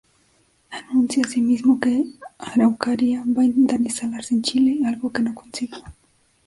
Anuncia asimismo que ""Araucaria" va a intentar instalarse en Chile", algo que no consiguió.